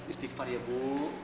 istighfar ya bu